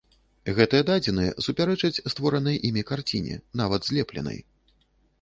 Гэтыя дадзеныя супярэчаць створанай імі карціне, нават злепленай.